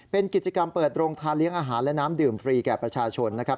เป็นกิจกรรมเปิดโรงทานเลี้ยงอาหารและน้ำดื่มฟรีแก่ประชาชนนะครับ